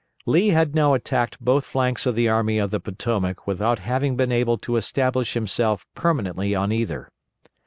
Lee had now attacked both flanks of the Army of the Potomac without having been able to establish himself permanently on either.